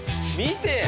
見て。